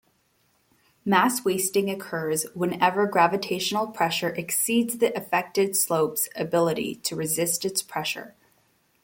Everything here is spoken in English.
Mass-wasting occurs whenever gravitational pressure exceeds the affected slopes ability to resist its pressure.